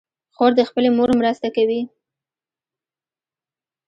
خور د خپلې مور مرسته کوي.